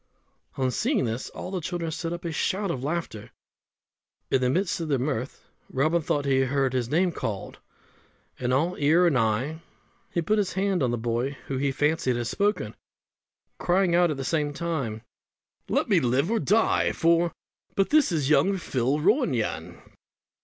On seeing this all the children set up a shout of laughter. In the midst of their mirth Robin thought he heard his name called; and all ear and eye, he put his hand on the boy who he fancied had spoken, crying out at the same time, "Let me live or die for it, but this is young Phil Ronayne."